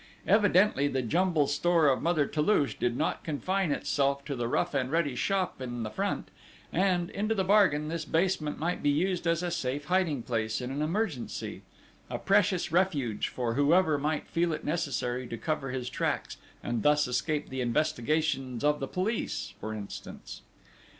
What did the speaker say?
Evidently the jumble store of Mother Toulouche did not confine itself to the rough and ready shop in the front; and, into the bargain, this basement might be used as a safe hiding place in an emergency, a precious refuge for whoever might feel it necessary to cover his tracks, and thus escape the investigations of the police, for instance!